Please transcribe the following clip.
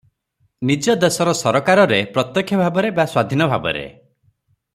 ନିଜ ଦେଶର ସରକାରରେ ପ୍ରତ୍ୟକ୍ଷ ଭାବରେ ବା ସ୍ୱାଧୀନ ଭାବରେ ।